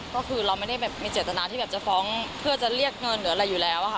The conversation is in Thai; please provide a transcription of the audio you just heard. ก็คือเราไม่ได้แบบมีเจตนาที่แบบจะฟ้องเพื่อจะเรียกเงินหรืออะไรอยู่แล้วค่ะ